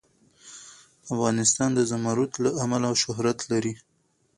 افغانستان د زمرد له امله شهرت لري.